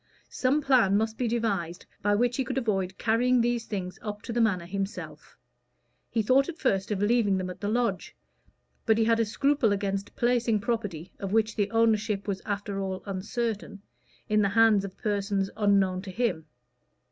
Some plan must be devised by which he could avoid carrying these things up to the Manor himself: he thought at first of leaving them at the lodge, but he had a scruple against placing property, of which the ownership was after all uncertain, in the hands of persons unknown to him.